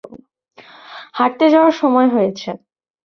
হাঁটতে যাওয়ার সময় হয়েছে।